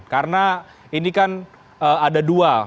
karena ini kan ada dua